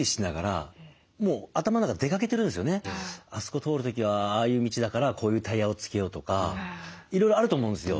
あそこ通る時はああいう道だからこういうタイヤをつけようとかいろいろあると思うんですよ